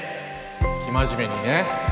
生真面目にね。